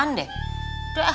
bercanda kelewatan deh